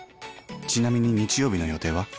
「ちなみに日曜日の予定は？」